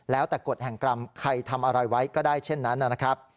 แล้วแต่กฎแห่งกรรมใครทำอะไรไว้ก็ได้เช่นนั้นนะครับ